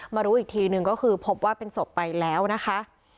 รู้อีกทีหนึ่งก็คือพบว่าเป็นศพไปแล้วนะคะ